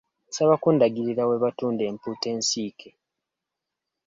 Nsaba kundagirira we batunda empuuta ensiike.